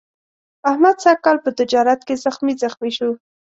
احمد سږ کال په تجارت کې زخمي زخمي شو.